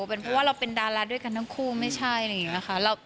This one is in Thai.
เป็นเพราะว่าเราเป็นดาราด้วยกันทั้งคู่ไม่ใช่นะคะ